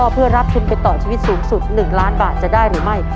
เพื่อรับทุนไปต่อชีวิตสูงสุด๑ล้านบาทจะได้หรือไม่